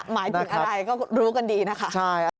หมายถึงอะไรก็รู้กันดีนะคะ